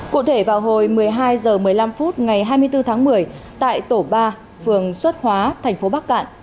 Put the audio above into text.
cụ thể vào hồi một mươi hai h một mươi năm phút ngày hai mươi bốn tháng một mươi tại tổ ba phường xuất hóa thành phố bắc cạn